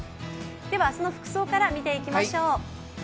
明日の服装から見ていきましょう。